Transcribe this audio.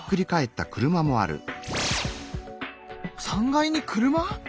３階に車！？